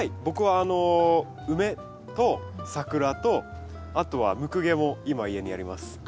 僕は梅と桜とあとはムクゲも今家にあります。